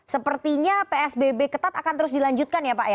sepertinya psbb ketat akan terus dilanjutkan ya pak ya